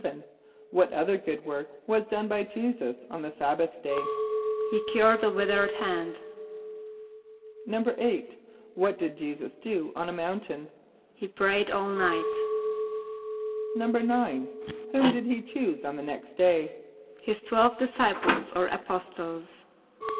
= What other good work was done by J[=e]´[s+]us on the sabbath day? =He cured a withered hand.= =8.= What did J[=e]´[s+]us do on a mountain? =He prayed all night.= =9.= Whom did he choose on the next day? =His twelve disciples or apostles.